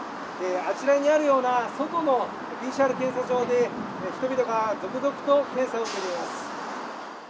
あちらにあるような外のＰＣＲ検査場で人々が続々と検査をしています。